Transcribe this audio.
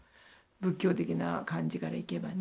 仏教的な感じからいけばね。